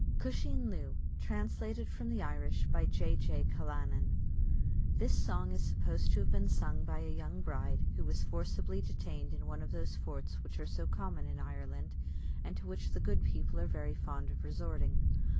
CUSHEEN LOO. TRANSLATED FROM THE IRISH BY J. J. CALLANAN. [This song is supposed to have been sung by a young bride, who was forcibly detained in one of those forts which are so common in Ireland, and to which the good people are very fond of resorting.